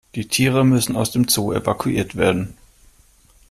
Die Tiere müssen aus dem Zoo evakuiert werden.